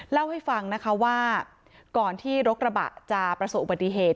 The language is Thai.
เล่าให้ฟังนะคะว่าก่อนที่รถกระบะจะประสบอุบัติเหตุ